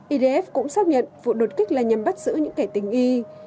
idf cũng xác nhận vụ đột kích là nhằm bắt giữ những kẻ tình y